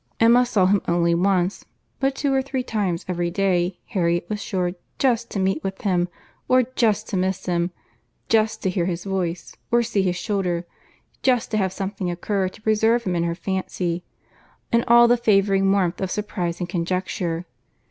Emma saw him only once; but two or three times every day Harriet was sure just to meet with him, or just to miss him, just to hear his voice, or see his shoulder, just to have something occur to preserve him in her fancy, in all the favouring warmth of surprize and conjecture.